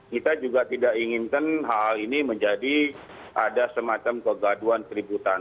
kita juga tidak inginkan hal hal ini menjadi ada semacam kegaduan keributan